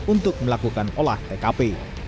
untuk melakukan olah tkp